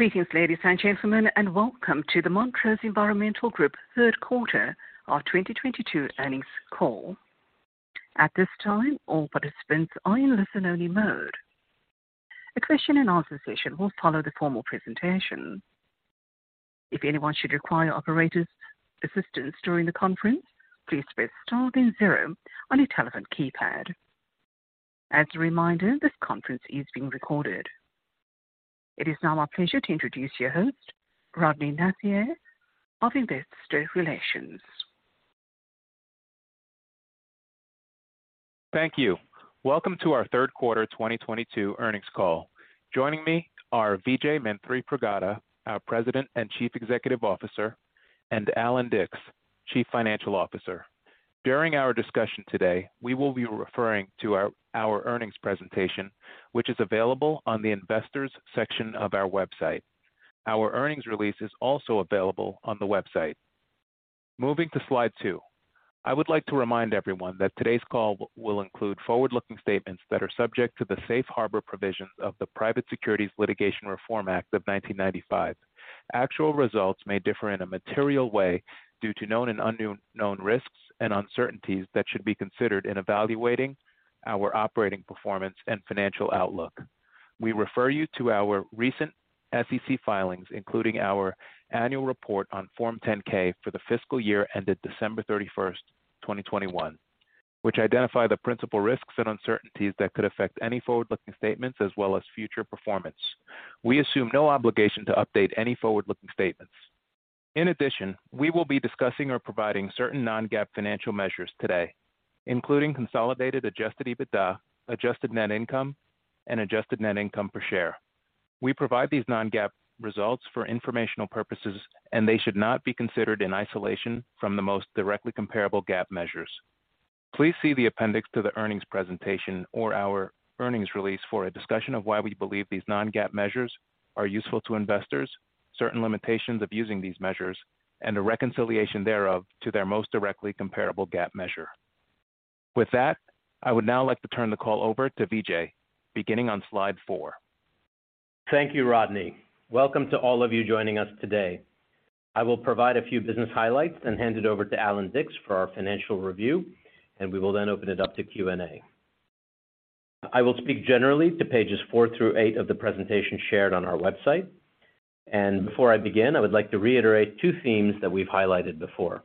Greetings, ladies and gentlemen, and welcome to the Montrose Environmental Group third quarter of 2022 earnings call. At this time, all participants are in listen-only mode. A question and answer session will follow the formal presentation. If anyone should require operator's assistance during the conference, please press star then zero on your telephone keypad. As a reminder, this conference is being recorded. It is now my pleasure to introduce your host, Rodny Nacier of Investor Relations. Thank you. Welcome to our third quarter 2022 earnings call. Joining me are Vijay Manthripragada, our President and Chief Executive Officer, and Allan Dicks, Chief Financial Officer. During our discussion today, we will be referring to our earnings presentation, which is available on the investors section of our website. Our earnings release is also available on the website. Moving to slide two. I would like to remind everyone that today's call will include forward-looking statements that are subject to the safe harbor provisions of the Private Securities Litigation Reform Act of 1995. Actual results may differ in a material way due to known and unknown risks and uncertainties that should be considered in evaluating our operating performance and financial outlook. We refer you to our recent SEC filings, including our annual report on Form 10-K for the fiscal year ended December 31, 2021, which identify the principal risks and uncertainties that could affect any forward-looking statements as well as future performance. We assume no obligation to update any forward-looking statements. In addition, we will be discussing or providing certain non-GAAP financial measures today, including Consolidated Adjusted EBITDA, Adjusted Net Income, and Adjusted Net Income Per Share. We provide these non-GAAP results for informational purposes, and they should not be considered in isolation from the most directly comparable GAAP measures. Please see the appendix to the earnings presentation or our earnings release for a discussion of why we believe these non-GAAP measures are useful to investors, certain limitations of using these measures and a reconciliation thereof to their most directly comparable GAAP measure. With that, I would now like to turn the call over to Vijay, beginning on slide four. Thank you, Rodny. Welcome to all of you joining us today. I will provide a few business highlights and hand it over to Allan Dicks for our financial review, and we will then open it up to Q&A. I will speak generally to pages four through eight of the presentation shared on our website. Before I begin, I would like to reiterate two themes that we've highlighted before.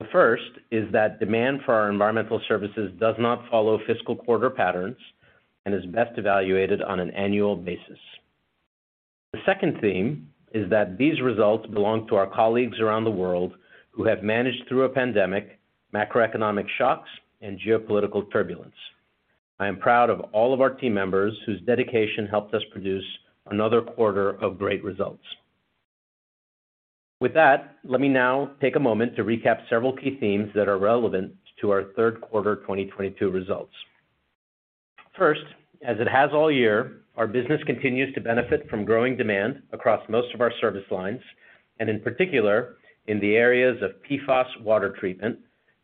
The first is that demand for our environmental services does not follow fiscal quarter patterns and is best evaluated on an annual basis. The second theme is that these results belong to our colleagues around the world who have managed through a pandemic, macroeconomic shocks and geopolitical turbulence. I am proud of all of our team members whose dedication helped us produce another quarter of great results. With that, let me now take a moment to recap several key themes that are relevant to our third quarter 2022 results. First, as it has all year, our business continues to benefit from growing demand across most of our service lines, and in particular, in the areas of PFAS water treatment,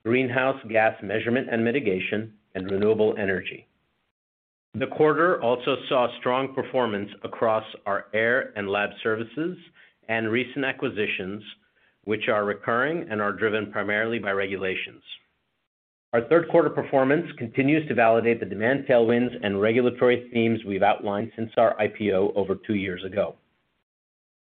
greenhouse gas measurement and mitigation, and renewable energy. The quarter also saw strong performance across our air and lab services and recent acquisitions, which are recurring and are driven primarily by regulations. Our third quarter performance continues to validate the demand tailwinds and regulatory themes we've outlined since our IPO over two years ago.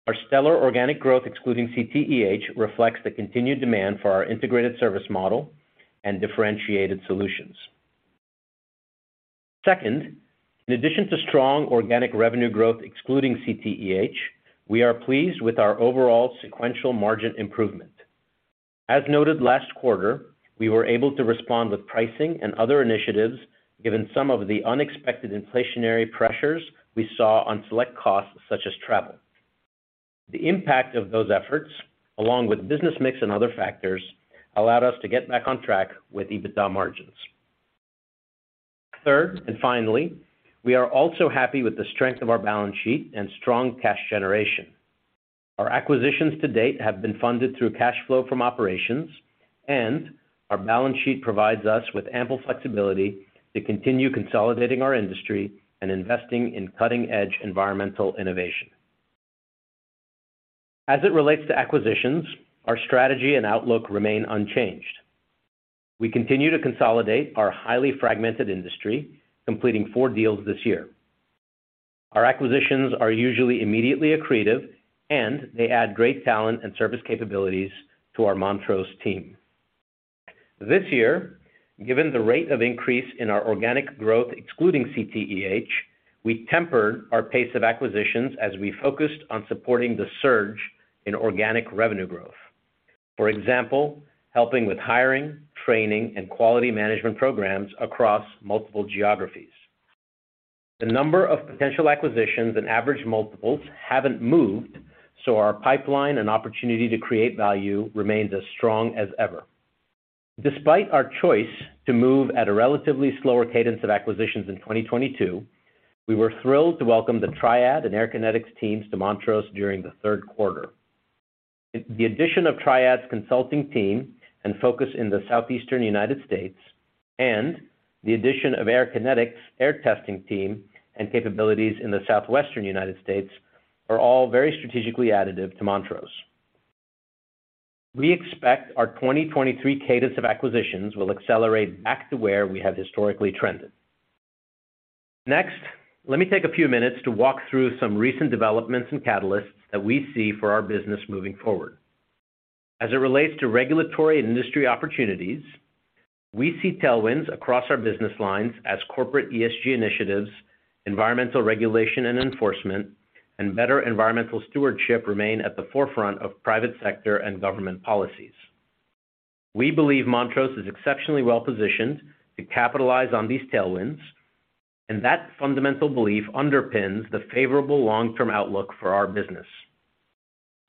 Our stellar organic growth, excluding CTEH, reflects the continued demand for our integrated service model and differentiated solutions. Second, in addition to strong organic revenue growth excluding CTEH, we are pleased with our overall sequential margin improvement. As noted last quarter, we were able to respond with pricing and other initiatives given some of the unexpected inflationary pressures we saw on select costs such as travel. The impact of those efforts, along with business mix and other factors, allowed us to get back on track with EBITDA margins. Third, and finally, we are also happy with the strength of our balance sheet and strong cash generation. Our acquisitions to date have been funded through cash flow from operations, and our balance sheet provides us with ample flexibility to continue consolidating our industry and investing in cutting-edge environmental innovation. As it relates to acquisitions, our strategy and outlook remain unchanged. We continue to consolidate our highly fragmented industry, completing four deals this year. Our acquisitions are usually immediately accretive, and they add great talent and service capabilities to our Montrose team. This year, given the rate of increase in our organic growth excluding CTEH, we tempered our pace of acquisitions as we focused on supporting the surge in organic revenue growth. For example, helping with hiring, training, and quality management programs across multiple geographies. The number of potential acquisitions and average multiples haven't moved, so our pipeline and opportunity to create value remains as strong as ever. Despite our choice to move at a relatively slower cadence of acquisitions in 2022, we were thrilled to welcome the TriAD and AirKinetics teams to Montrose during the third quarter. The addition of TriAD's consulting team and focus in the Southeastern United States, and the addition of AirKinetics's air testing team and capabilities in the Southwestern United States are all very strategically additive to Montrose. We expect our 2023 cadence of acquisitions will accelerate back to where we have historically trended. Next, let me take a few minutes to walk through some recent developments and catalysts that we see for our business moving forward. As it relates to regulatory industry opportunities, we see tailwinds across our business lines as corporate ESG initiatives, environmental regulation and enforcement, and better environmental stewardship remain at the forefront of private sector and government policies. We believe Montrose is exceptionally well-positioned to capitalize on these tailwinds, and that fundamental belief underpins the favorable long-term outlook for our business.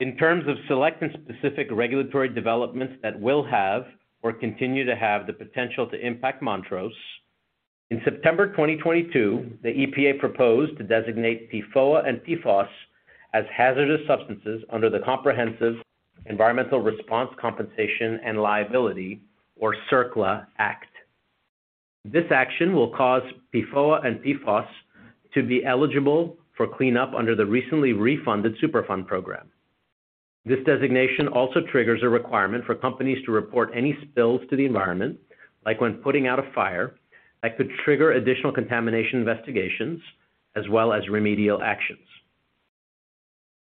In terms of select and specific regulatory developments that will have or continue to have the potential to impact Montrose, in September 2022, the EPA proposed to designate PFOA and PFOS as hazardous substances under the Comprehensive Environmental Response, Compensation, and Liability, or CERCLA Act. This action will cause PFOA and PFOS to be eligible for cleanup under the recently refunded Superfund program. This designation also triggers a requirement for companies to report any spills to the environment, like when putting out a fire, that could trigger additional contamination investigations as well as remedial actions.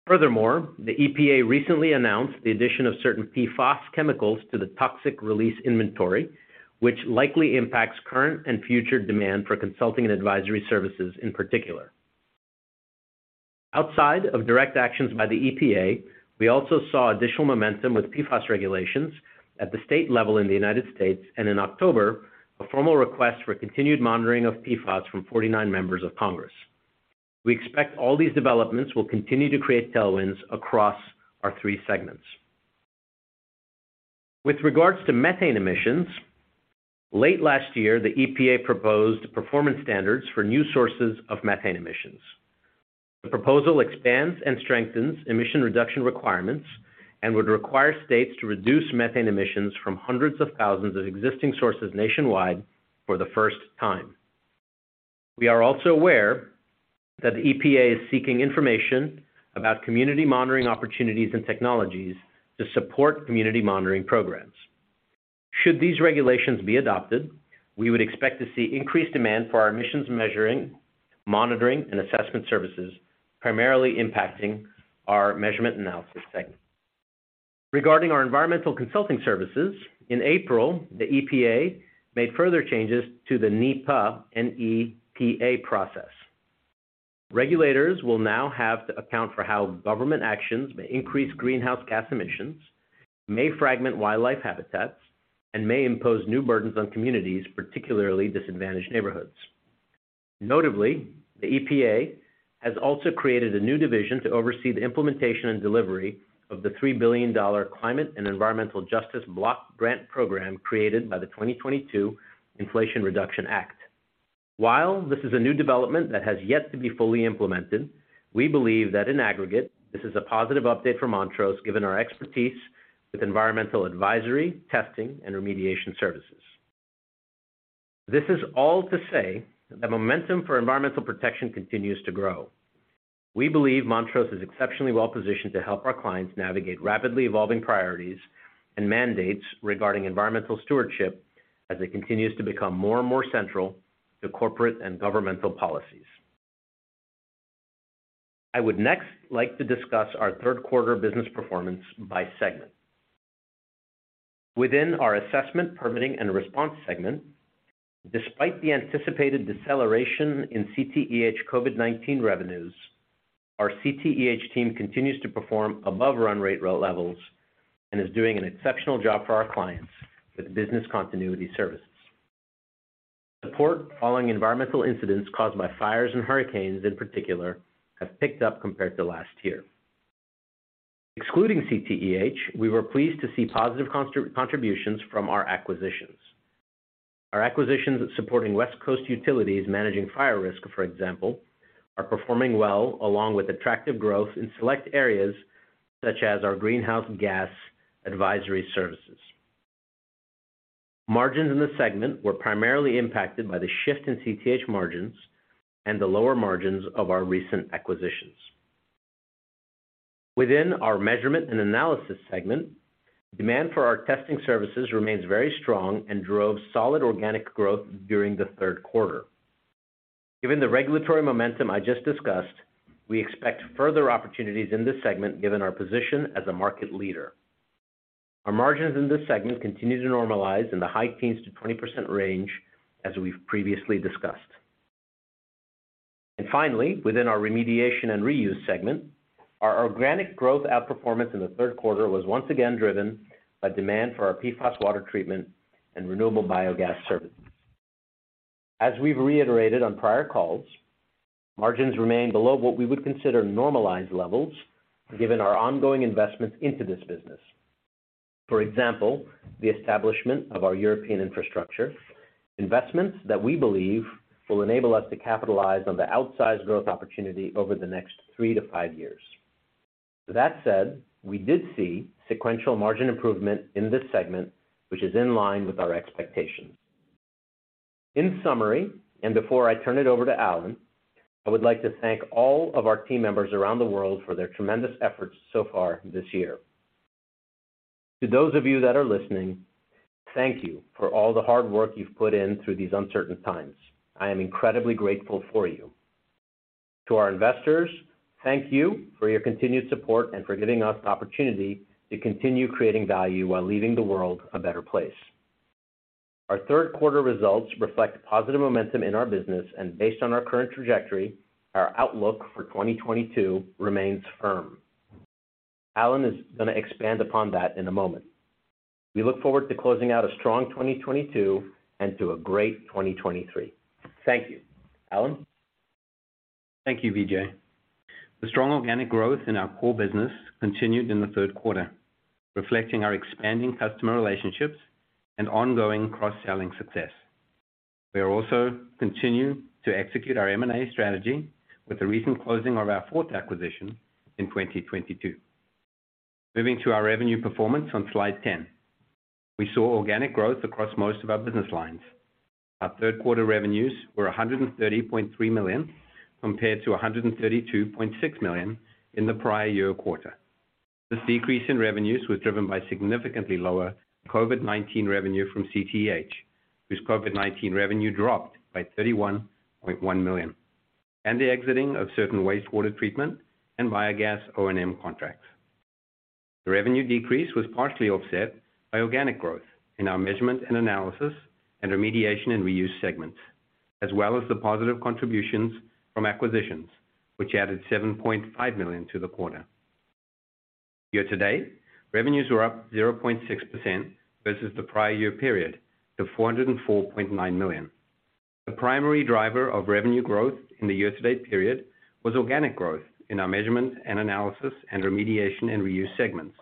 Furthermore, the EPA recently announced the addition of certain PFOS chemicals to the Toxics Release Inventory, which likely impacts current and future demand for consulting and advisory services in particular. Outside of direct actions by the EPA, we also saw additional momentum with PFOS regulations at the state level in the United States, and in October, a formal request for continued monitoring of PFOS from 49 members of Congress. We expect all these developments will continue to create tailwinds across our three segments. With regards to methane emissions, late last year, the EPA proposed performance standards for new sources of methane emissions. The proposal expands and strengthens emission reduction requirements and would require states to reduce methane emissions from hundreds of thousands of existing sources nationwide for the first time. We are also aware that the EPA is seeking information about community monitoring opportunities and technologies to support community monitoring programs. Should these regulations be adopted, we would expect to see increased demand for our emissions measuring, monitoring, and assessment services, primarily impacting our measurement analysis segment. Regarding our environmental consulting services, in April, the EPA made further changes to the NEPA, N-E-P-A process. Regulators will now have to account for how government actions may increase greenhouse gas emissions, may fragment wildlife habitats, and may impose new burdens on communities, particularly disadvantaged neighborhoods. Notably, the EPA has also created a new division to oversee the implementation and delivery of the $3 billion Environmental and Climate Justice Block Grants created by the 2022 Inflation Reduction Act. While this is a new development that has yet to be fully implemented, we believe that in aggregate, this is a positive update for Montrose, given our expertise with environmental advisory, testing, and remediation services. This is all to say that momentum for environmental protection continues to grow. We believe Montrose is exceptionally well-positioned to help our clients navigate rapidly evolving priorities and mandates regarding environmental stewardship as it continues to become more and more central to corporate and governmental policies. I would next like to discuss our third quarter business performance by segment. Within our assessment, permitting, and response segment, despite the anticipated deceleration in CTEH COVID-19 revenues, our CTEH team continues to perform above run rate levels and is doing an exceptional job for our clients with business continuity services. Support following environmental incidents caused by fires and hurricanes, in particular, have picked up compared to last year. Excluding CTEH, we were pleased to see positive contributions from our acquisitions. Our acquisitions supporting West Coast utilities managing fire risk, for example, are performing well along with attractive growth in select areas such as our greenhouse gas advisory services. Margins in this segment were primarily impacted by the shift in CTEH margins and the lower margins of our recent acquisitions. Within our measurement and analysis segment, demand for our testing services remains very strong and drove solid organic growth during the third quarter. Given the regulatory momentum I just discussed, we expect further opportunities in this segment given our position as a market leader. Our margins in this segment continue to normalize in the high teens to 20% range, as we've previously discussed. Finally, within our remediation and reuse segment, our organic growth outperformance in the third quarter was once again driven by demand for our PFOS water treatment and renewable biogas services. As we've reiterated on prior calls, margins remain below what we would consider normalized levels given our ongoing investments into this business. For example, the establishment of our European infrastructure. Investments that we believe will enable us to capitalize on the outsized growth opportunity over the next three to five years. That said, we did see sequential margin improvement in this segment, which is in line with our expectations. In summary, and before I turn it over to Allan, I would like to thank all of our team members around the world for their tremendous efforts so far this year. To those of you that are listening, thank you for all the hard work you've put in through these uncertain times. I am incredibly grateful for you. To our investors, thank you for your continued support and for giving us the opportunity to continue creating value while leaving the world a better place. Our third quarter results reflect positive momentum in our business, and based on our current trajectory, our outlook for 2022 remains firm. Allan is gonna expand upon that in a moment. We look forward to closing out a strong 2022 and to a great 2023. Thank you. Allan. Thank you, Vijay. The strong organic growth in our core business continued in the third quarter, reflecting our expanding customer relationships and ongoing cross-selling success. We are also continuing to execute our M&A strategy with the recent closing of our fourth acquisition in 2022. Moving to our revenue performance on slide 10. We saw organic growth across most of our business lines. Our third quarter revenues were $130.3 million, compared to $132.6 million in the prior year quarter. This decrease in revenues was driven by significantly lower COVID-19 revenue from CTEH, whose COVID-19 revenue dropped by $31.1 million, and the exiting of certain wastewater treatment and biogas O&M contracts. The revenue decrease was partially offset by organic growth in our measurement and analysis and remediation and reuse segments, as well as the positive contributions from acquisitions, which added $7.5 million to the quarter. Year-to-date, revenues were up 0.6% versus the prior year period to $404.9 million. The primary driver of revenue growth in the year-to-date period was organic growth in our measurement and analysis and remediation and reuse segments,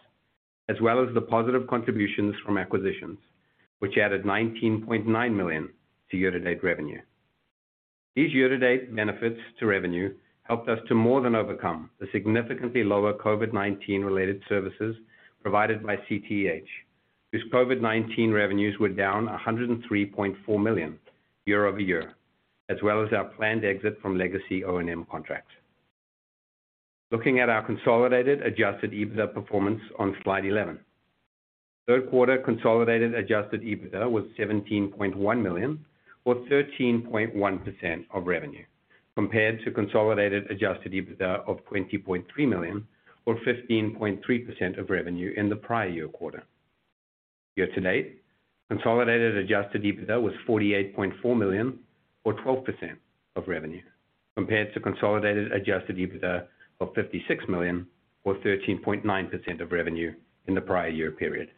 as well as the positive contributions from acquisitions, which added $19.9 million to year-to-date revenue. These year-to-date benefits to revenue helped us to more than overcome the significantly lower COVID-19 related services provided by CTEH, whose COVID-19 revenues were down $103.4 million year-over-year, as well as our planned exit from legacy O&M contracts. Looking at our Consolidated Adjusted EBITDA performance on slide 11. Third quarter Consolidated Adjusted EBITDA was $17.1 million or 13.1% of revenue, compared to Consolidated Adjusted EBITDA of $20.3 million or 15.3% of revenue in the prior year quarter. Year-to-date, Consolidated Adjusted EBITDA was $48.4 million or 12% of revenue, compared to Consolidated Adjusted EBITDA of $56 million or 13.9% of revenue in the prior year period.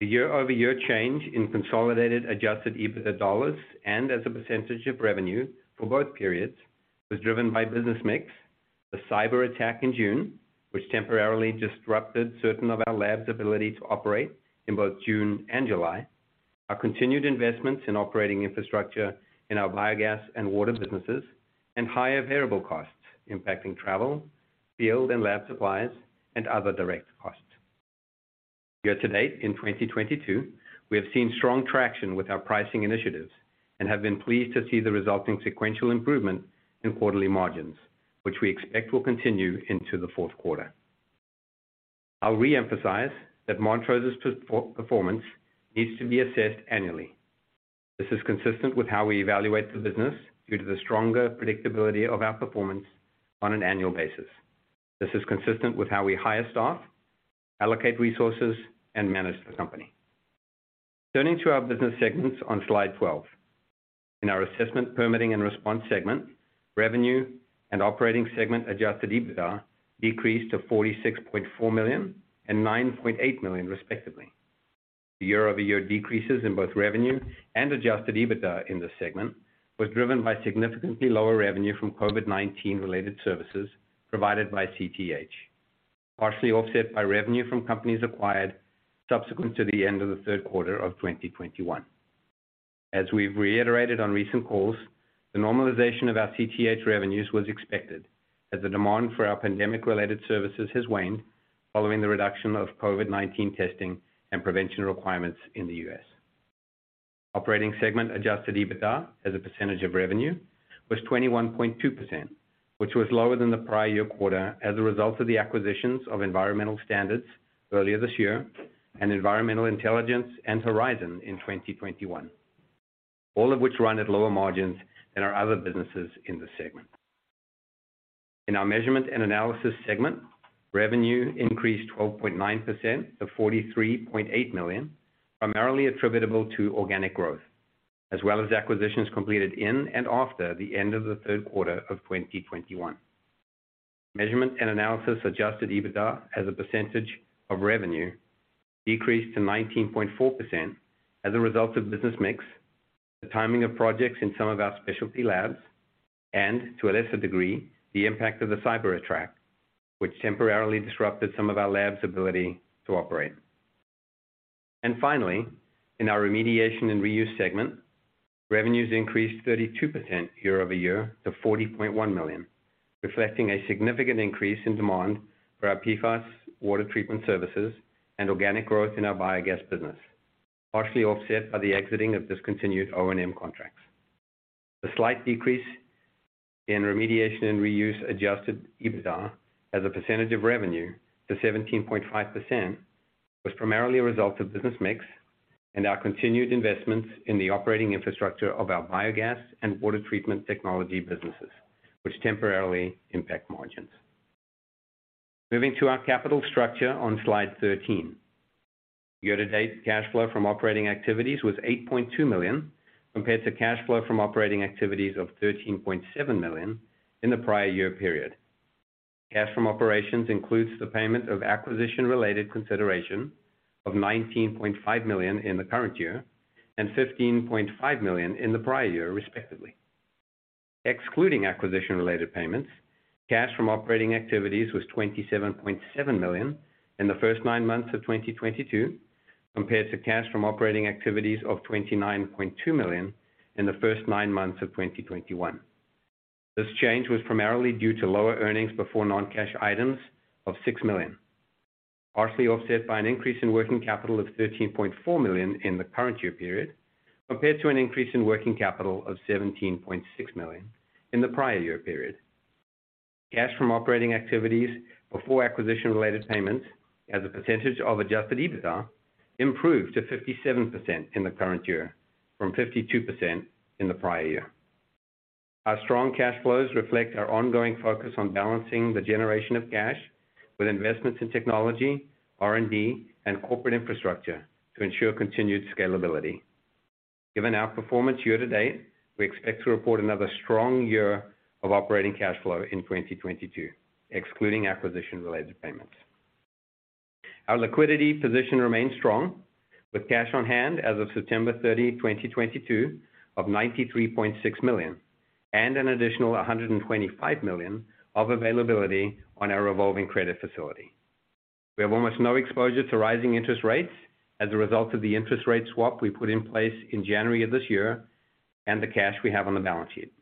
The year-over-year change in Consolidated Adjusted EBITDA dollars and as a percentage of revenue for both periods was driven by business mix, the cyberattack in June, which temporarily disrupted certain of our labs' ability to operate in both June and July, our continued investments in operating infrastructure in our biogas and water businesses, and higher variable costs impacting travel, field and lab supplies, and other direct costs. Year-to-date in 2022, we have seen strong traction with our pricing initiatives and have been pleased to see the resulting sequential improvement in quarterly margins, which we expect will continue into the fourth quarter. I'll re-emphasize that Montrose's performance needs to be assessed annually. This is consistent with how we evaluate the business due to the stronger predictability of our performance on an annual basis. This is consistent with how we hire staff, allocate resources, and manage the company. Turning to our business segments on slide 12. In our assessment, permitting and response segment, revenue and operating segment adjusted EBITDA decreased to $46.4 million and $9.8 million respectively. The year-over-year decreases in both revenue and adjusted EBITDA in this segment was driven by significantly lower revenue from COVID-19 related services provided by CTEH, partially offset by revenue from companies acquired subsequent to the end of the third quarter of 2021. As we've reiterated on recent calls, the normalization of our CTEH revenues was expected as the demand for our pandemic-related services has waned following the reduction of COVID-19 testing and prevention requirements in the U.S. Operating segment Adjusted EBITDA as a percentage of revenue was 21.2%, which was lower than the prior-year quarter as a result of the acquisitions of Environmental Standards earlier this year and Environmental Intelligence and Horizon in 2021, all of which run at lower margins than our other businesses in this segment. In our measurement and analysis segment, revenue increased 12.9% to $43.8 million, primarily attributable to organic growth, as well as acquisitions completed in and after the end of the third quarter of 2021. Measurement and analysis Adjusted EBITDA as a percentage of revenue decreased to 19.4% as a result of business mix, the timing of projects in some of our specialty labs, and to a lesser degree, the impact of the cyber attack, which temporarily disrupted some of our labs' ability to operate. Finally, in our remediation and reuse segment, revenues increased 32% year-over-year to $40.1 million, reflecting a significant increase in demand for our PFAS water treatment services and organic growth in our biogas business, partially offset by the exiting of discontinued O&M contracts. The slight decrease in remediation and reuse adjusted EBITDA as a percentage of revenue to 17.5% was primarily a result of business mix and our continued investments in the operating infrastructure of our biogas and water treatment technology businesses, which temporarily impact margins. Moving to our capital structure on Slide 13. Year-to-date cash flow from operating activities was $8.2 million, compared to cash flow from operating activities of $13.7 million in the prior year period. Cash from operations includes the payment of acquisition-related consideration of $19.5 million in the current year and $15.5 million in the prior year, respectively. Excluding acquisition-related payments, cash from operating activities was $27.7 million in the first nine months of 2022, compared to cash from operating activities of $29.2 million in the first nine months of 2021. This change was primarily due to lower earnings before non-cash items of $6 million, partially offset by an increase in working capital of $13.4 million in the current year period, compared to an increase in working capital of $17.6 million in the prior year period. Cash from operating activities before acquisition-related payments as a percentage of Adjusted EBITDA improved to 57% in the current year from 52% in the prior year. Our strong cash flows reflect our ongoing focus on balancing the generation of cash with investments in technology, R&D, and corporate infrastructure to ensure continued scalability. Given our performance year-to-date, we expect to report another strong year of operating cash flow in 2022, excluding acquisition-related payments. Our liquidity position remains strong, with cash on hand as of September 30, 2022 of $93.6 million and an additional $125 million of availability on our revolving credit facility. We have almost no exposure to rising interest rates as a result of the interest rate swap we put in place in January of this year and the cash we have on the balance sheet.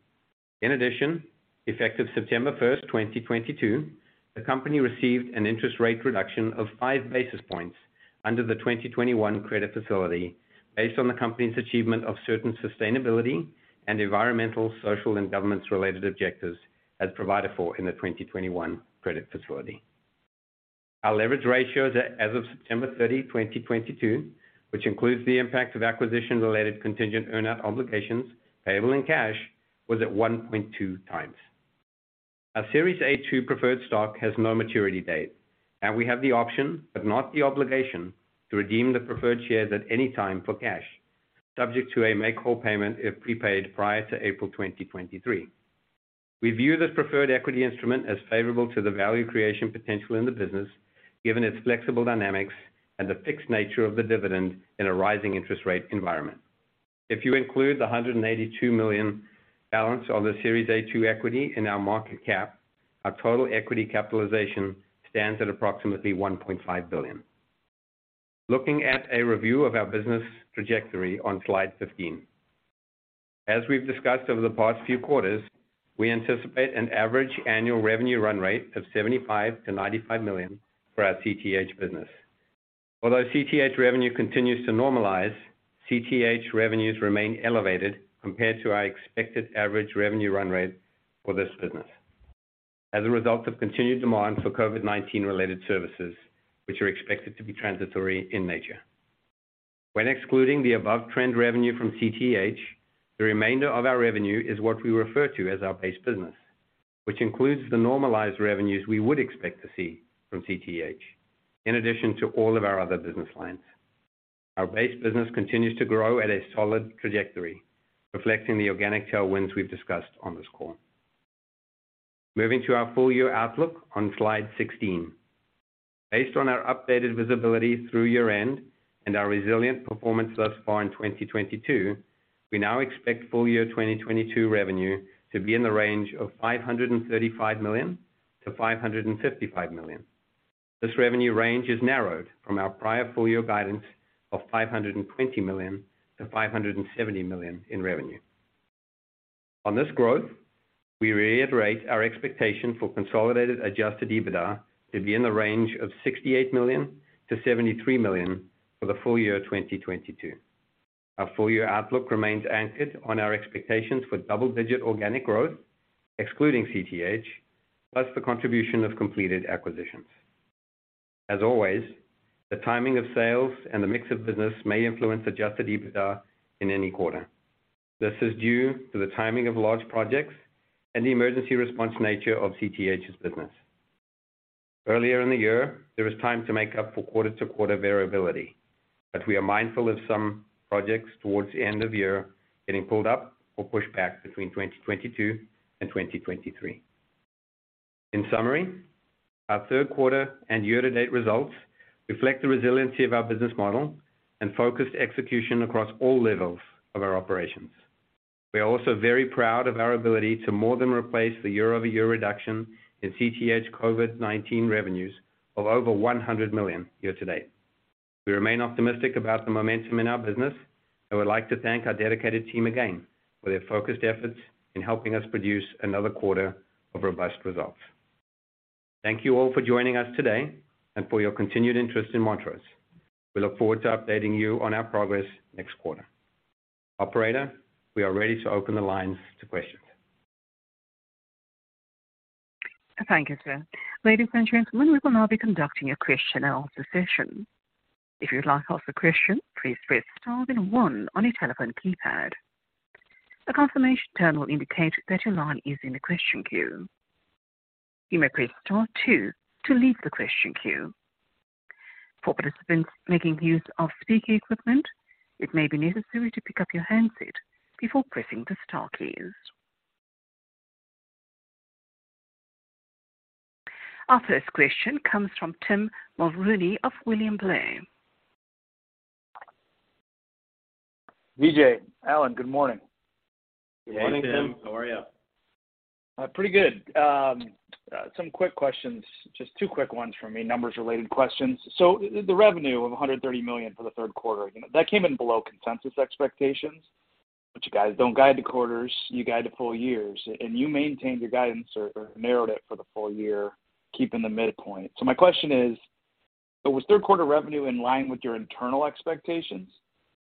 In addition, effective September 1, 2022, the company received an interest rate reduction of 5 basis points under the 2021 credit facility based on the company's achievement of certain sustainability and environmental, social, and governance-related objectives as provided for in the 2021 credit facility. Our leverage ratio as of September 30, 2022, which includes the impact of acquisition-related contingent earn-out obligations payable in cash, was at 1.2x. Our Series A-2 preferred stock has no maturity date, and we have the option, but not the obligation, to redeem the preferred shares at any time for cash, subject to a make-whole payment if prepaid prior to April 2023. We view this preferred equity instrument as favorable to the value creation potential in the business, given its flexible dynamics and the fixed nature of the dividend in a rising interest rate environment. If you include the $182 million balance of the Series A-2 equity in our market cap, our total equity capitalization stands at approximately $1.5 billion. Looking at a review of our business trajectory on Slide 15. As we've discussed over the past few quarters, we anticipate an average annual revenue run rate of $75 million-$95 million for our CTEH business. Although CTEH revenue continues to normalize, CTEH revenues remain elevated compared to our expected average revenue run rate for this business as a result of continued demand for COVID-19 related services, which are expected to be transitory in nature. When excluding the above-trend revenue from CTEH, the remainder of our revenue is what we refer to as our base business, which includes the normalized revenues we would expect to see from CTEH, in addition to all of our other business lines. Our base business continues to grow at a solid trajectory, reflecting the organic tailwinds we've discussed on this call. Moving to our full year outlook on Slide 16. Based on our updated visibility through year-end and our resilient performance thus far in 2022, we now expect full year 2022 revenue to be in the range of $535 million-$555 million. This revenue range is narrowed from our prior full year guidance of $520 million-$570 million in revenue. On this growth, we reiterate our expectation for Consolidated Adjusted EBITDA to be in the range of $68 million-$73 million for the full year 2022. Our full year outlook remains anchored on our expectations for double-digit organic growth, excluding CTEH, plus the contribution of completed acquisitions. As always, the timing of sales and the mix of business may influence Adjusted EBITDA in any quarter. This is due to the timing of large projects and the emergency response nature of CTEH's business. Earlier in the year, there was time to make up for quarter-to-quarter variability, but we are mindful of some projects towards the end of the year getting pulled up or pushed back between 2022 and 2023. In summary, our third quarter and year-to-date results reflect the resiliency of our business model and focused execution across all levels of our operations. We are also very proud of our ability to more than replace the year-over-year reduction in CTEH COVID-19 revenues of over $100 million year-to-date. We remain optimistic about the momentum in our business and would like to thank our dedicated team again for their focused efforts in helping us produce another quarter of robust results. Thank you all for joining us today and for your continued interest in Montrose. We look forward to updating you on our progress next quarter. Operator, we are ready to open the lines to questions. Thank you, sir. Ladies and gentlemen, we will now be conducting a question and answer session. If you'd like to ask a question, please press star then one on your telephone keypad. A confirmation tone will indicate that your line is in the question queue. You may press star two to leave the question queue. For participants making use of speaker equipment, it may be necessary to pick up your handset before pressing the star keys. Our first question comes from Tim Mulrooney of William Blair. Vijay, Allan, good morning. Good morning, Tim. Hey, Tim. How are you? Pretty good. Some quick questions. Just two quick ones for me, numbers related questions. The revenue of $130 million for the third quarter, you know, that came in below consensus expectations. You guys don't guide to quarters, you guide to full year. And you maintained your guidance or narrowed it for the full year, keeping the midpoint. My question is, so was third quarter revenue in line with your internal expectations,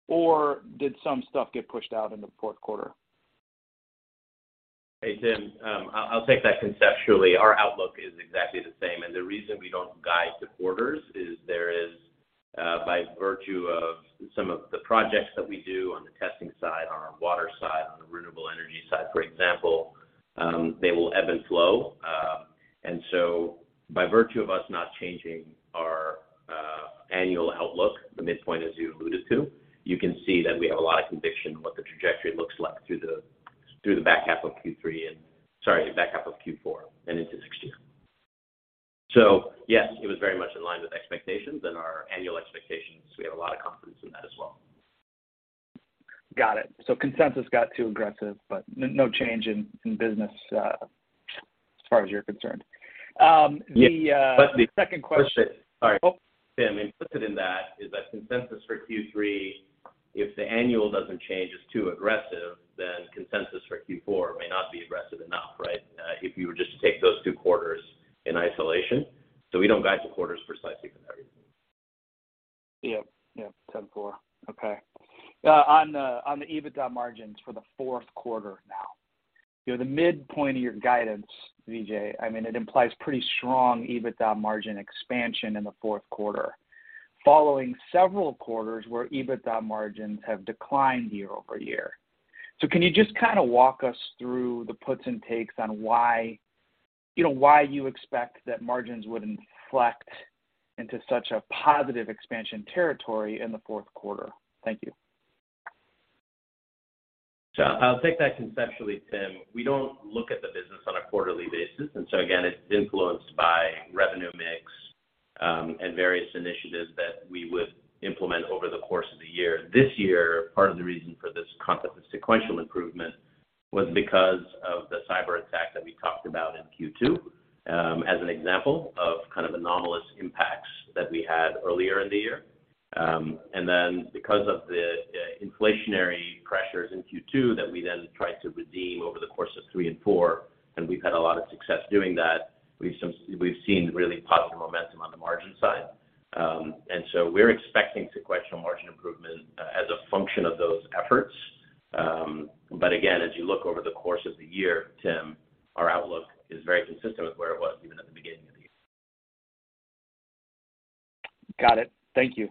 or did some stuff get pushed out into the fourth quarter? Hey, Tim, I'll take that conceptually. Our outlook is exactly the same, and the reason we don't guide to quarters is there is by virtue of some of the projects that we do on the testing side, on our water side, on the renewable energy side, for example, they will ebb and flow. By virtue of us not changing our annual outlook, the midpoint as you alluded to, you can see that we have a lot of conviction in what the trajectory looks like through the back half of Q3 and sorry, the back half of Q4 and into next year. Yes, it was very much in line with expectations and our annual expectations. We have a lot of confidence in that as well. Got it. Consensus got too aggressive, but no change in business, as far as you're concerned. Yeah. Second question. All right. Oh. Tim, implicit in that is that consensus for Q3, if the annual doesn't change, is too aggressive, then consensus for Q4 may not be aggressive enough, right? If you were just to take those two quarters in isolation. We don't guide to quarters precisely for that reason. Yeah. Yeah. Ten-four. Okay. On the EBITDA margins for the fourth quarter now. You know, the midpoint of your guidance, Vijay, I mean, it implies pretty strong EBITDA margin expansion in the fourth quarter following several quarters where EBITDA margins have declined year-over-year. Can you just kinda walk us through the puts and takes on why, you know, why you expect that margins would inflect into such a positive expansion territory in the fourth quarter? Thank you. I'll take that conceptually, Tim. We don't look at the business on a quarterly basis, and so again, it's influenced by revenue mix, and various initiatives that we would implement over the course of the year. This year, part of the reason for this sequential improvement was because of the cyberattack that we talked about in Q2, as an example of kind of anomalous impacts that we had earlier in the year. And then because of the inflationary pressures in Q2 that we then tried to recoup over the course of Q3 and Q4, and we've had a lot of success doing that, we've seen really positive momentum on the margin side. And so we're expecting sequential margin improvement as a function of those efforts. As you look over the course of the year, Tim, our outlook is very consistent with where it was even at the beginning of the year. Got it. Thank you.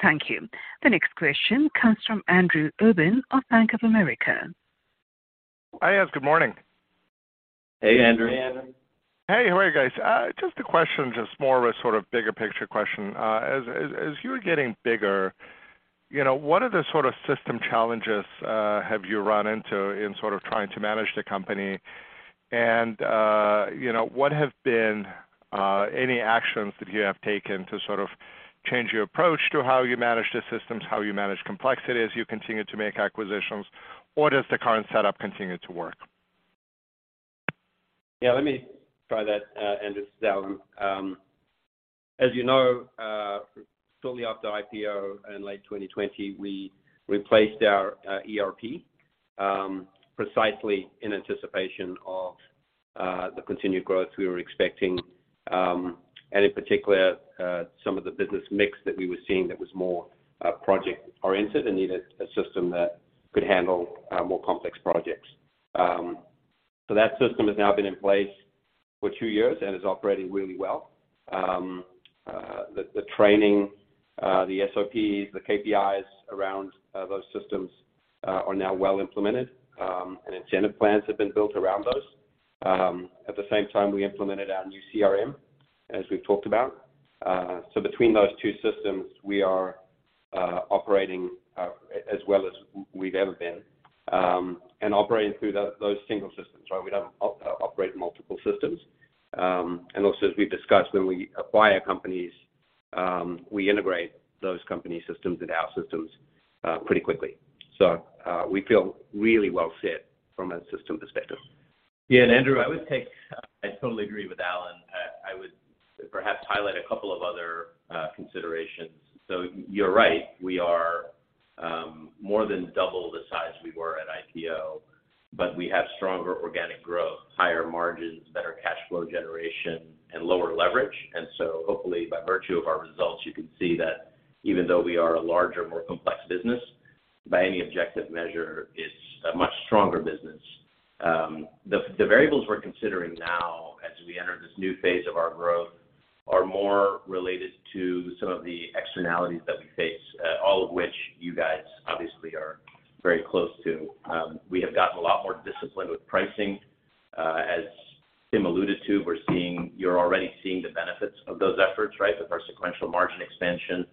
Thank you. The next question comes from Andrew Obin of Bank of America. Hi, yes, good morning. Hey, Andrew. Hey, Andrew. Hey, how are you guys? Just a question, just more of a sort of bigger picture question. As you're getting bigger, you know, what other sort of system challenges have you run into in sort of trying to manage the company? And, you know, what have been any actions that you have taken to sort of change your approach to how you manage the systems, how you manage complexity as you continue to make acquisitions? Or does the current setup continue to work? Yeah, let me try that, Andrew as well. As you know, shortly after IPO in late 2020, we replaced our ERP precisely in anticipation of the continued growth we were expecting, and in particular, some of the business mix that we were seeing that was more project oriented and needed a system that could handle more complex projects. That system has now been in place for two years and is operating really well. The training, the SOPs, the KPIs around those systems are now well implemented, and incentive plans have been built around those. At the same time, we implemented our new CRM, as we've talked about. Between those two systems, we are operating as well as we've ever been, and operating through those single systems, right? We don't operate multiple systems. Also, as we've discussed, when we acquire companies, we integrate those company systems into our systems pretty quickly. We feel really well fit from a system perspective. Andrew, I totally agree with Allan. I would perhaps highlight a couple of other considerations. You're right, we are more than double the size we were at IPO, but we have stronger organic growth, higher margins, better cash flow generation, and lower leverage. Hopefully by virtue of our results, you can see that even though we are a larger, more complex business, by any objective measure, it's a much stronger business. The variables we're considering now as we enter this new phase of our growth are more related to some of the externalities that we face, all of which you guys obviously are very close to. We have gotten a lot more disciplined with pricing. As Tim Mulrooney alluded to, we're seeing, you're already seeing the benefits of those efforts, right? With our sequential margin expansion.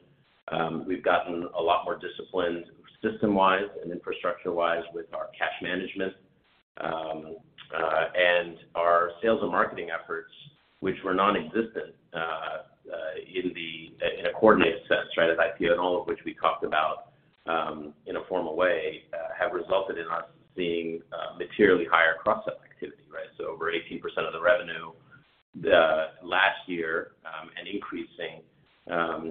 We've gotten a lot more disciplined system-wise and infrastructure-wise with our cash management. and our sales and marketing efforts, which were nonexistent, in a coordinated sense, right, post-IPO, and all of which we talked about, in a formal way, have resulted in us seeing, materially higher cross-sell activity, right? over 18% of the revenue the last year, and increasing,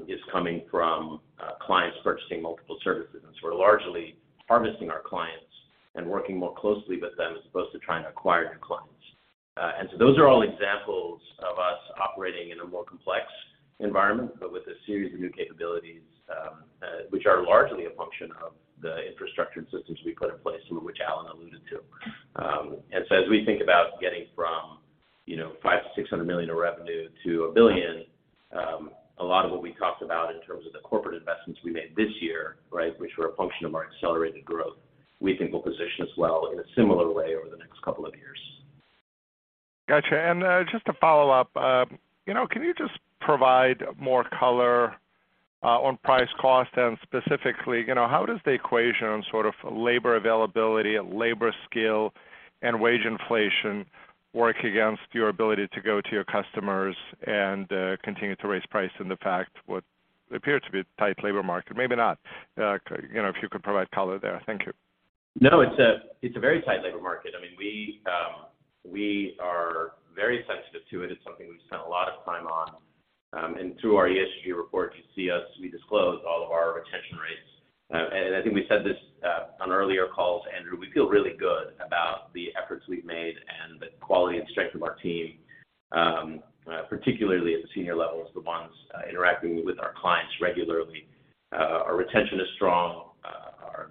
is coming from, clients purchasing multiple services. We're largely harvesting our clients and working more closely with them as opposed to trying to acquire new clients. Those are all examples of us operating in a more complex environment, but with a series of new capabilities, which are largely a function of the infrastructure and systems we put in place, some of which Allan alluded to. As we think about getting from, you know, $500 million-$600 million of revenue to $1 billion, a lot of what we talked about in terms of the corporate investments we made this year, right, which were a function of our accelerated growth, we think will position us well in a similar way over the next couple of years. Got you. Just to follow up, you know, can you just provide more color on price cost? Specifically, you know, how does the equation on sort of labor availability, labor skill, and wage inflation work against your ability to go to your customers and continue to raise price in the face of what appears to be a tight labor market? Maybe not. You know, if you could provide color there. Thank you. No, it's a very tight labor market. I mean, we are very sensitive to it. It's something we've spent a lot of time on. Through our ESG report, you see us we disclose all of our retention rates. I think we said this on earlier calls, Andrew. We feel really good about the efforts we've made and the quality and strength of our team, particularly at the senior levels, the ones interacting with our clients regularly. Our retention is strong.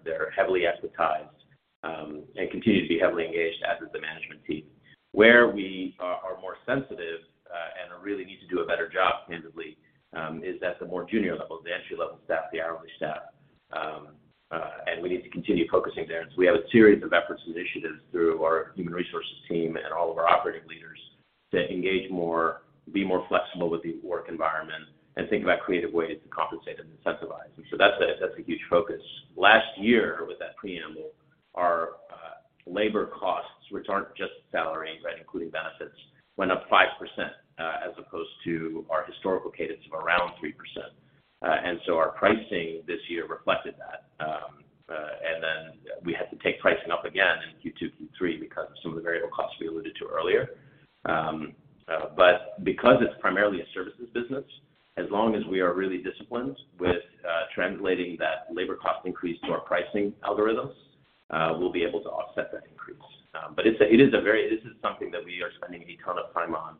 They're heavily equitized and continue to be heavily engaged, as is the management team. Where we are more sensitive and really need to do a better job candidly is at the more junior level, the entry-level staff, the hourly staff. We need to continue focusing there. We have a series of efforts and initiatives through our human resources team and all of our operating leaders to engage more, be more flexible with the work environment and think about creative ways to compensate and incentivize. That's a huge focus. Last year, with that preamble, our labor costs, which aren't just salary, right, including benefits, went up 5%, as opposed to our historical cadence of around 3%. Our pricing this year reflected that. We had to take pricing up again in Q2, Q3 because of some of the variable costs we alluded to earlier. Because it's primarily a services business, as long as we are really disciplined with translating that labor cost increase to our pricing algorithms, we'll be able to offset that increase. It is something that we are spending a ton of time on,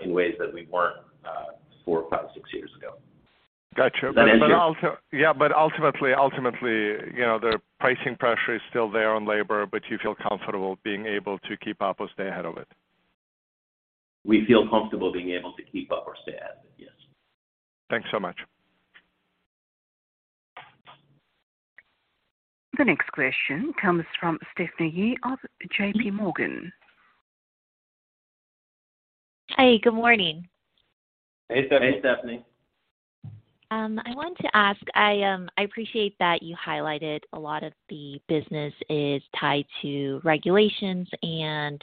in ways that we weren't four, five, six years ago. Got you. Andrew- Ultimately, you know, the pricing pressure is still there on labor, but you feel comfortable being able to keep up or stay ahead of it. We feel comfortable being able to keep up or stay ahead of it. Yes. Thanks so much. The next question comes from Stephanie Yee of JPMorgan. Hi, good morning. Hey, Stephanie. Hey, Stephanie. I wanted to ask. I appreciate that you highlighted a lot of the business is tied to regulations and,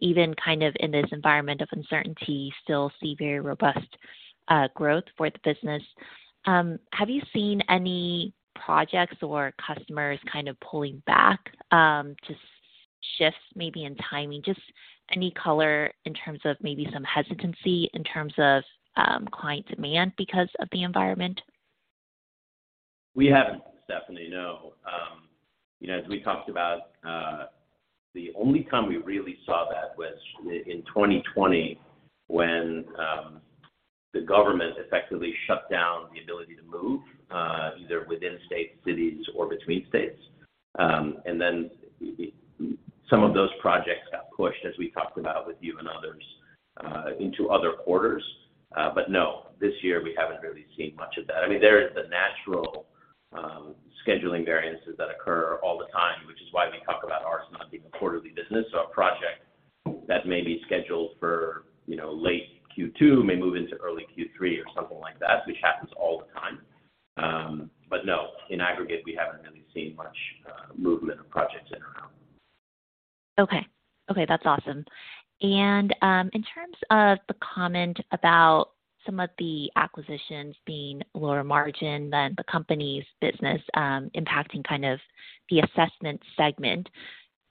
even kind of in this environment of uncertainty, still see very robust growth for the business. Have you seen any projects or customers kind of pulling back, just shifts maybe in timing? Just any color in terms of maybe some hesitancy in terms of client demand because of the environment? We haven't, Stephanie, no. You know, as we talked about, the only time we really saw that was in 2020 when the government effectively shut down the ability to move either within states, cities, or between states. Then some of those projects got pushed, as we talked about with you and others, into other quarters. No, this year we haven't really seen much of that. I mean, there is the natural scheduling variances that occur all the time, which is why we talk about ours not being a quarterly business. A project that may be scheduled for, you know, late Q2 may move into early Q3 or something like that, which happens all the time. No, in aggregate, we haven't really seen much movement of projects in or out. Okay. Okay, that's awesome. In terms of the comment about some of the acquisitions being lower margin than the company's business, impacting kind of the assessment segment,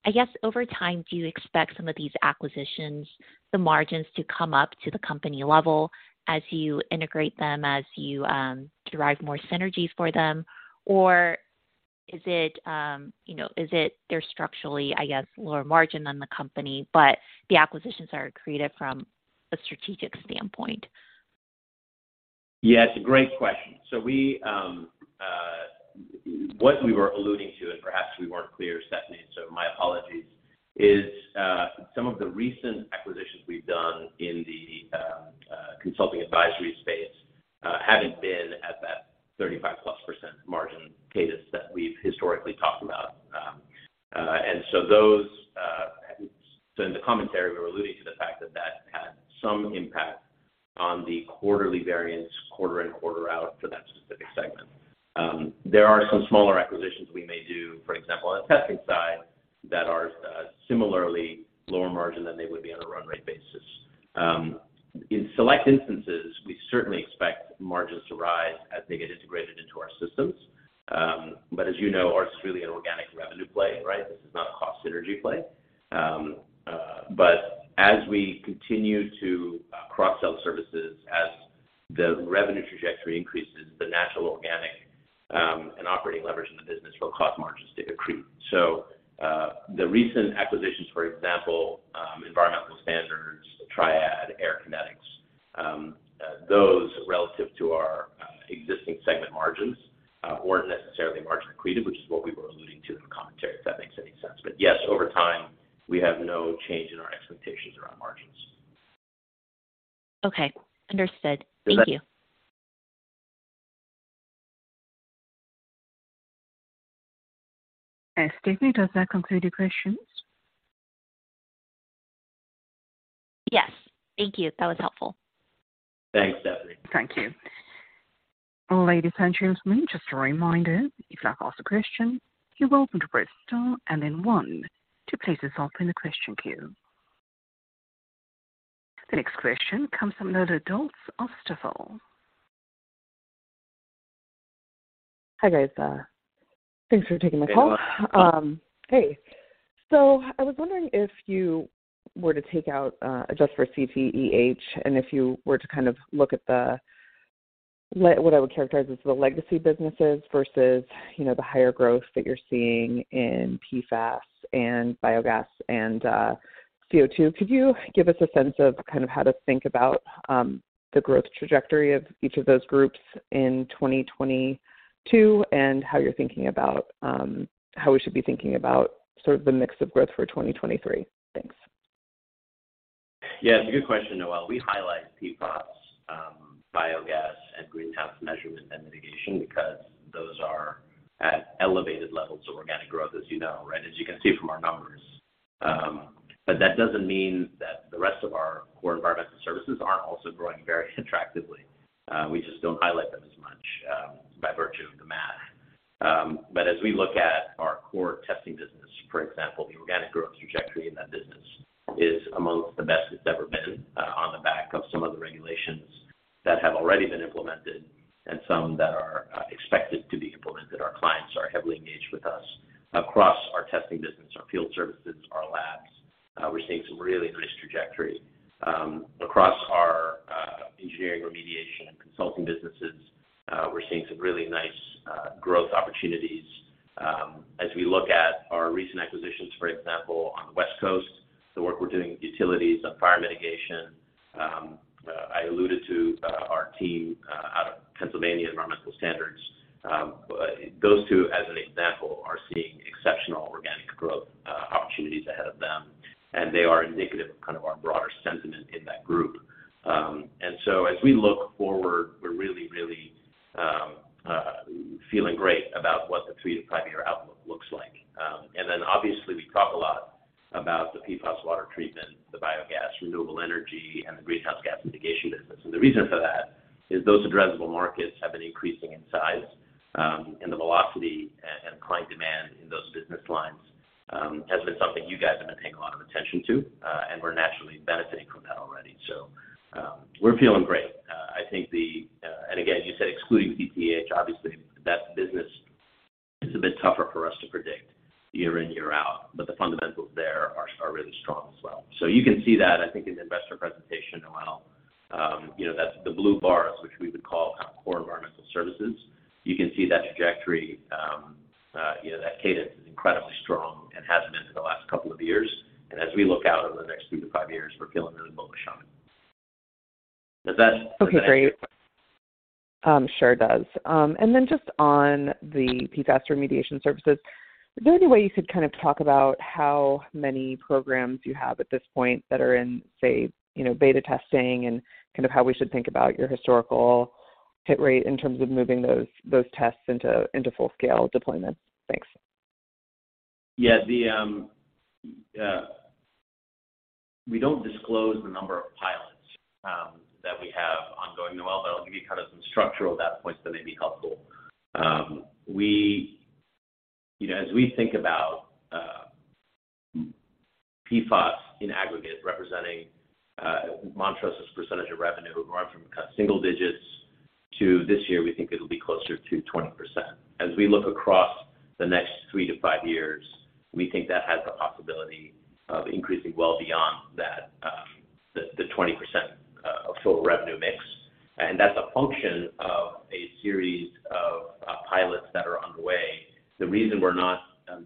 I guess over time, do you expect some of these acquisitions, the margins to come up to the company level as you integrate them, as you derive more synergies for them? Or is it, you know, is it they're structurally, I guess, lower margin than the company, but the acquisitions are accretive from a strategic standpoint? Yeah, it's a great question. What we were alluding to, and perhaps we weren't clear, Stephanie, so my apologies, is some of the recent acquisitions we've done in the consulting advisory space haven't been at that 35%+ margin cadence that we've historically talked about. In the commentary, we were alluding to the fact that that had some impact on the quarterly variance, quarter-in, quarter-out for that specific segment. There are some smaller acquisitions we may do, for example, on the testing side that are similarly lower margin than they would be on a run rate basis. In select instances, we certainly expect margins to rise as they get integrated into our systems. As you know, ours is really an organic revenue play, right? This is not a cost synergy play. As we continue to cross-sell services, as the revenue trajectory increases, the natural organic and operating leverage in the business will cause margins to accrete. The recent acquisitions, for example, Environmental Standards, TriAD, AirKinetics, those relative to our existing segment margins weren't necessarily margin accretive, which is what we were alluding to in the commentary, if that makes any sense. Yes, over time, we have no change in our expectations around margins. Okay. Understood. Thank you. Is that- Okay, Stephanie, does that conclude your questions? Yes. Thank you. That was helpful. Thanks, Stephanie. Thank you. Ladies and gentlemen, just a reminder, if you'd like to ask a question, you're welcome to press star and then one to place yourself in the question queue. The next question comes from Noelle Dilts of Stifel. Hi, guys. Thanks for taking my call. Hey, Noelle. I was wondering if you were to take out, adjust for CTEH, and if you were to kind of look at what I would characterize as the legacy businesses versus, you know, the higher growth that you're seeing in PFAS and biogas and CO2, could you give us a sense of kind of how to think about the growth trajectory of each of those groups in 2022 and how you're thinking about how we should be thinking about sort of the mix of growth for 2023? Thanks. Yeah, it's a good question, Noelle. We highlight PFAS, biogas and greenhouse measurement and mitigation because those are at elevated levels of organic growth, as you know, right? As you can see from our numbers. That doesn't mean that the rest of our core environmental services aren't also growing very attractively. We just don't highlight them as much, by virtue of the math. As we look at our core testing business, for example, the organic growth trajectory in that business is amongst the best it's ever been, on the back of some of the regulations that have already been implemented and some that are expected to be implemented. Our clients are heavily engaged with us across our testing business, our field services, our labs. We're seeing some really nice trajectory. Across our engineering remediation and consulting businesses, we're seeing some really nice growth opportunities. As we look at our recent acquisitions, for example, on the West Coast, the work we're doing with utilities on fire mitigation, I alluded to our team out of Pennsylvania Environmental Standards. Those two, as an example, are seeing exceptional organic growth opportunities ahead of them, and they are indicative of kind of our broader sentiment in that group. As we look forward, we're really feeling great about what the 3-5-year outlook looks like. Obviously, we talk a lot about the PFAS water treatment, the biogas, renewable energy, and the greenhouse gas mitigation business. The reason for that is those addressable markets have been increasing in size, and the velocity and client demand in those business lines has been something you guys have been paying a lot of attention to, and we're naturally benefiting from that already. We're feeling great. I think, and again, you said excluding CTEH, obviously, that business is a bit tougher for us to predict year in, year out, but the fundamentals there are really strong as well. You can see that, I think, in the investor presentation, Noelle. You know, that's the blue bars, which we would call kind of core environmental services. You can see that trajectory, you know, that cadence is incredibly strong and has been for the last couple of years. As we look out over the next 3-5 years, we're feeling really bullish on it. Is that- Okay, great. Sure does. Just on the PFAS remediation services, is there any way you could kind of talk about how many programs you have at this point that are in, say, you know, beta testing and kind of how we should think about your historical hit rate in terms of moving those tests into full-scale deployment? Thanks. We don't disclose the number of pilots that we have ongoing, Noelle, but I'll give you kind of some structural data points that may be helpful. We, you know, as we think about PFAS in aggregate representing Montrose's percentage of revenue going from kind of single digits to this year, we think it'll be closer to 20%. As we look across the next three to five years, we think that has the possibility of increasing well beyond that, the 20% of total revenue mix. That's a function of a series of pilots that are underway. The reason we're not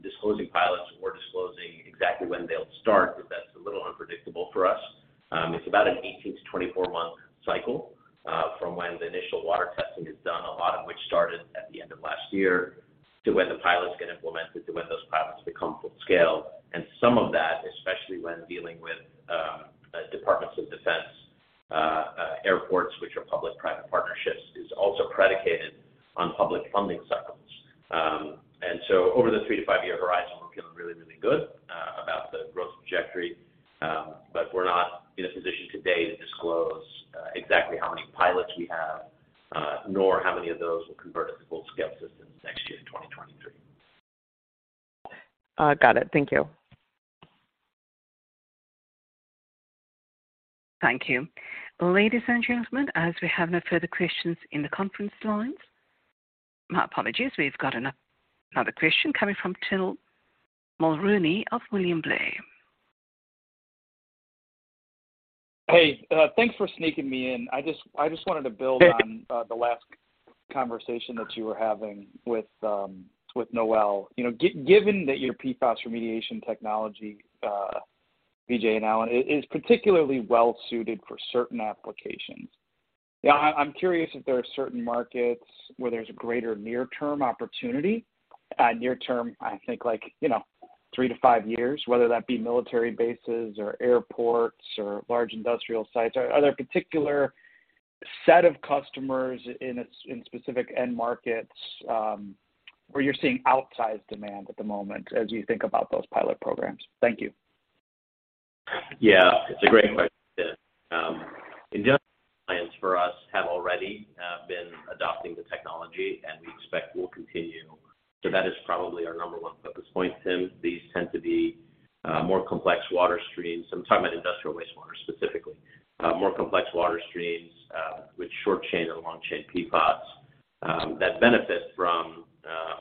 disclosing pilots or disclosing exactly when they'll start is that's a little unpredictable for us. It's about an 18-24 month cycle from when the initial water testing is done, a lot of which started at the end of last year, to when the pilots get implemented to when those pilots become full scale. Some of that, especially when dealing with departments of Defense, airports, which are public-private partnerships, is also predicated on public funding cycles. Over the 3- to 5-year horizon, we're feeling really, really good about the growth trajectory. We're not in a position today to disclose exactly how many pilots we have, nor how many of those will convert to full-scale systems next year in 2023. Got it. Thank you. Thank you. Ladies and gentlemen, as we have no further questions in the conference lines. My apologies. We've got another question coming from Tim Mulrooney of William Blair. Hey, thanks for sneaking me in. I just wanted to build on- Hey. The last conversation that you were having with Noelle. You know, given that your PFAS remediation technology, Vijay and Allan, is particularly well suited for certain applications. I'm curious if there are certain markets where there's greater near-term opportunity. Near term, I think like, you know, three to five years, whether that be military bases or airports or large industrial sites. Are there particular set of customers in a in specific end markets, where you're seeing outsized demand at the moment as you think about those pilot programs? Thank you. Yeah. It's a great question, Tim. Industrial clients for us have already been adopting the technology, and we expect will continue. That is probably our number one focus point, Tim. These tend to be more complex water streams. I'm talking about industrial wastewater, specifically. More complex water streams with short-chain or long-chain PFAS that benefit from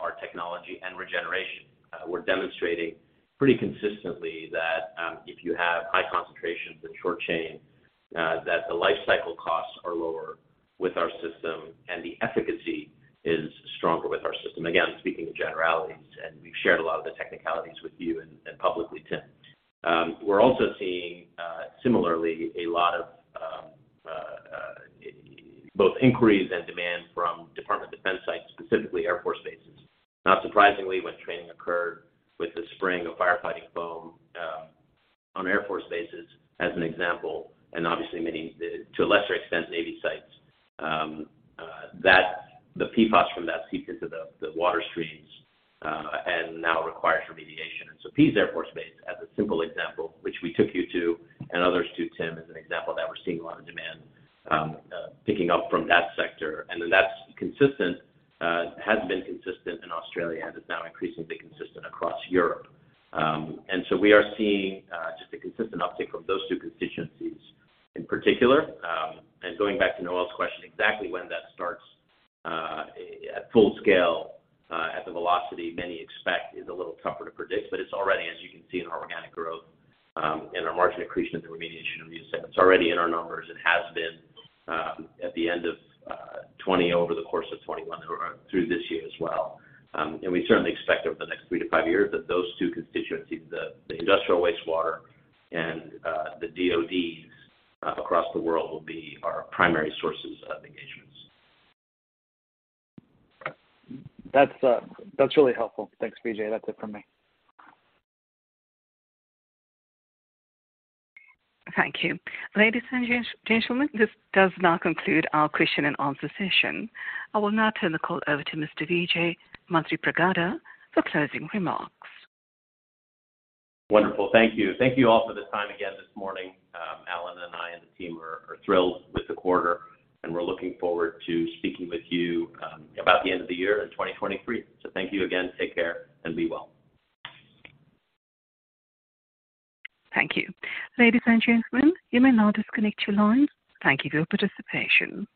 our technology and regeneration. We're demonstrating pretty consistently that if you have high concentrations of short-chain that the life cycle costs are lower with our system and the efficacy is stronger with our system. Again, speaking in generalities, and we've shared a lot of the technicalities with you and publicly, Tim. We're also seeing similarly a lot of both inquiries and demand from Department of Defense sites, specifically Air Force bases. Not surprisingly, when training occurred with the spraying of firefighting foam on Air Force bases as an example, and obviously many, to a lesser extent, Navy sites, that the PFAS from that seeped into the water streams and now requires remediation. Pease Air Force Base, as a simple example, which we took you to and others too, Tim, as an example that we're seeing a lot of demand picking up from that sector. That's consistent, has been consistent in Australia and is now increasingly consistent across Europe. We are seeing just a consistent uptick from those two constituencies in particular. Going back to Noelle's question, exactly when that starts at full scale at the velocity many expect is a little tougher to predict. It's already, as you can see in our organic growth, and our margin accretion of the remediation revenue. It's already in our numbers and has been at the end of 2020 over the course of 2021 through this year as well. We certainly expect over the next three to five years that those two constituencies, the industrial wastewater and the DODs across the world, will be our primary sources of engagements. That's really helpful. Thanks, Vijay. That's it from me. Thank you. Ladies and gentlemen, this does now conclude our question and answer session. I will now turn the call over to Mr. Vijay Manthripragada for closing remarks. Wonderful. Thank you. Thank you all for the time again this morning. Allan and I and the team are thrilled with the quarter, and we're looking forward to speaking with you about the end of the year in 2023. Thank you again. Take care, and be well. Thank you. Ladies and gentlemen, you may now disconnect your lines. Thank you for your participation.